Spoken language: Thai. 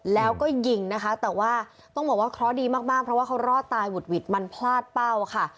แล้วก็ยิงนะคะแต่ว่าต้องบอกว่าเคราะห์ดีมากเพราะว่าเขารอดตายหุดหวิดมันพลาดเป้าค่ะ